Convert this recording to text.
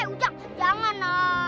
eh ujang jangan